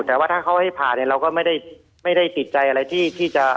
แต่ถ้าเขาให้พาเราก็ไม่ได้ติดใจอะไรที่จะ